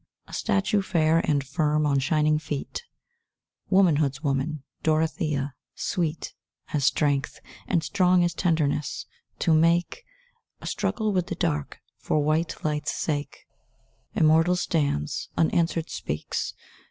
A statue fair and firm on shining feet, Womanhood's woman, Dorothea, sweet As strength, and strong as tenderness, to make A "struggle with the dark" for white light's sake, Immortal stands, unanswered speaks.